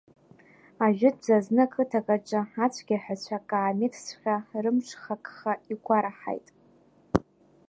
Ажәытәӡа зны қыҭак аҿы ацәгьаҳәацәа каамеҭҵәҟьа рымҽхакха игәараҳаит.